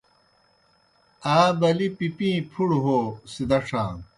آ بلِی پِپِیں پُھڑوْ ہو سِدَڇھان۔